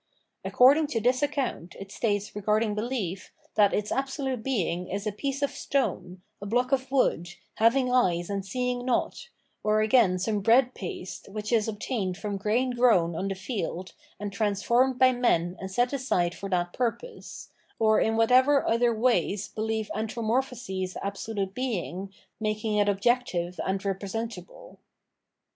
According to this account it states regarding belief that its absolute Being is a piece of stone, a block of wood, having eyes and seeing not, or again some bread paste, which is obtained from grain grown on the field and transformed by men and set aside for that purpose; or in whatever other ways belief anthro morphoses absolute Being, making it objective and representable.